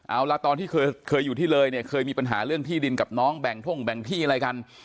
เอาละตอนที่เคยอยู่ที่เลยเนี่ยเคยมีปัญหาเรื่องที่ดินกับน้องแบ่งท่งแบ่งที่อะไรกัน